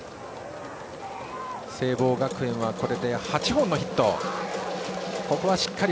聖望学園はこれで８本のヒット。